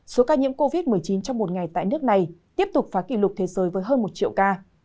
số ca nhiễm covid một mươi chín trong một ngày tại nước này tiếp tục phá kỷ lục thế giới với hơn một triệu ca